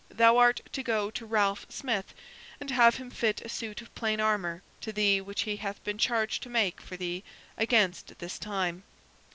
Thou art to go to Ralph Smith, and have him fit a suit of plain armor to thee which he hath been charged to make for thee against this time.